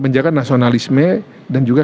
menjaga nasionalisme dan juga